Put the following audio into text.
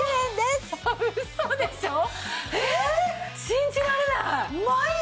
信じられない。